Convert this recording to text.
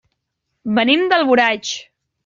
Venim d'Alboraig.